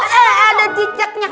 eh ada cicetnya